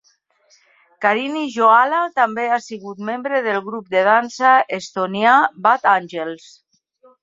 Kariny Joala també ha sigut membre del grup de dansa estonià Bad Angels.